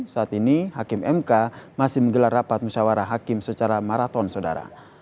saat ini hakim mk masih menggelar rapat musyawarah hakim secara maraton saudara